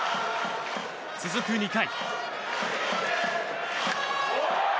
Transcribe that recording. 続く２回。